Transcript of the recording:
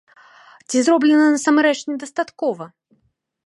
Ці зроблена насамрэч недастаткова?